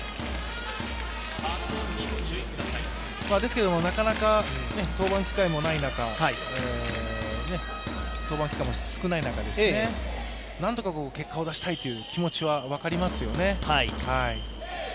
ですけれども、なかなか登板機会も少ない中、なんとか結果を出したいという気持は分かりますよね。